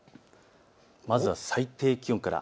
まずは最低気温から。